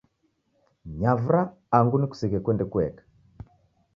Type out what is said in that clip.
Nyavura angu nikusighe kuende kueka